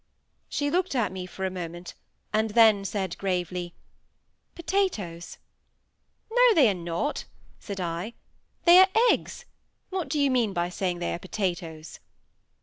She looked at me for a moment, and then said gravely,— "Potatoes!" "No! they are not," said I. "They are eggs. What do you mean by saying they are potatoes?"